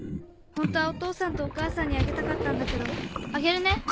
ホントはお父さんとお母さんにあげたかったんだけどあげるね。